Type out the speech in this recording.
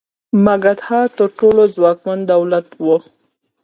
مګدها تر ټولو ځواکمن دولت و.